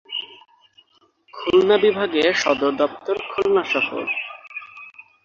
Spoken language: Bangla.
খুলনা বিভাগের সদর দপ্তর খুলনা শহর।